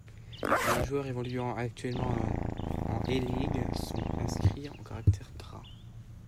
Les joueurs évoluant actuellement en A-League sont inscrits en caractères gras.